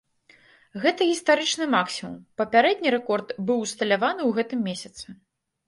Гэта гістарычны максімум, папярэдні рэкорд быў усталяваны ў гэтым месяцы.